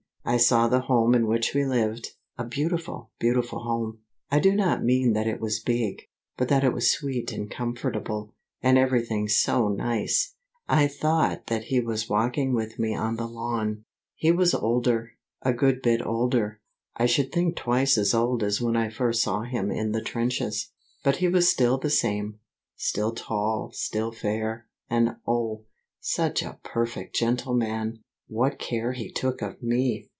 I saw the home in which we lived, a beautiful, beautiful home. I do not mean that it was big, but that it was sweet and comfortable, and everything so nice! I thought that he was walking with me on the lawn. He was older, a good bit older; I should think twice as old as when I first saw him in the trenches. But he was still the same, still tall, still fair, and oh, such a perfect gentleman! What care he took of me!